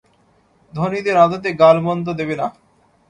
ধনীদের আদতে গাল-মন্দ দেবে না।